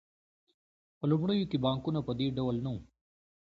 په لومړیو کې بانکونه په دې ډول نه وو